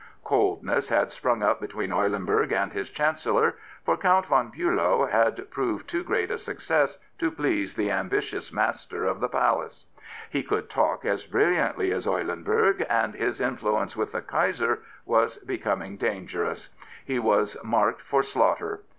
Coldness had sprung up between Eulenburg and his Chancellor, for Count von Biilow had proved too great a success to please the ambitious master of the palace. He could talk as brilliantly as Eulenburg, and his influence with the Kaiser was becoming dangerous. He was marked for slaughter.